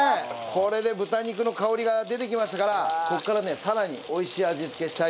これで豚肉の香りが出てきましたからここからねさらに美味しい味付けしたいと思います。